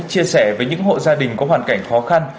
chia sẻ với những hộ gia đình có hoàn cảnh khó khăn